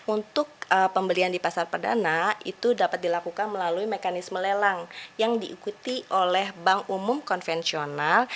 untuk pembelian di pasar perdana itu dapat dilakukan melalui mekanisme lelang yang diikuti oleh bank umum konvensional